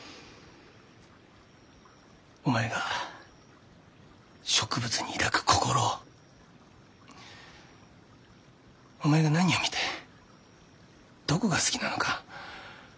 お前が植物に抱く心をお前が何を見てどこが好きなのか傍らにいて知りたい。